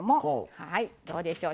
はいどうでしょう